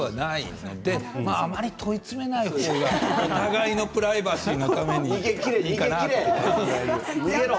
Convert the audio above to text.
あまり問い詰めない方がいいですねお互いのプライバシーのために。